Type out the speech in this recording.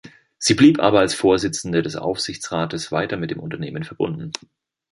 Sie blieb aber als Vorsitzende des Aufsichtsrates weiter mit dem Unternehmen verbunden.